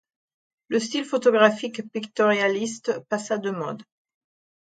Le style photographique pictorialiste passa de mode.